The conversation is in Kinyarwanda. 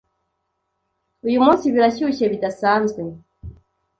Uyu munsi birashyushye bidasanzwe.